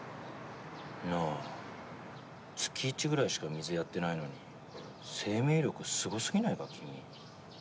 なあ月１ぐらいしか水やってないのに生命力すごすぎないか君。